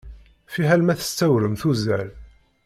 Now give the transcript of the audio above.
Fiḥel ma testewrem tuẓẓal.